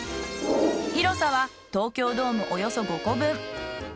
広さは東京ドームおよそ５個分。